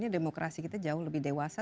demokrasi kita jauh lebih dewasa